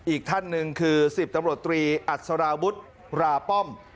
อีกท่านหนึ่งคือ๑๐ตำรวจตรีอัศราวุฒิราป้อม